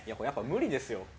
やっぱ無理ですよ。